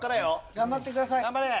頑張ってください。